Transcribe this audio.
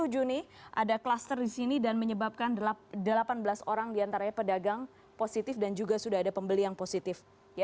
dua puluh juni ada kluster di sini dan menyebabkan delapan belas orang diantaranya pedagang positif dan juga sudah ada pembeli yang positif